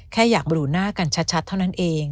แค่อยากรู้หน้ากันชัดเท่านั้นเอง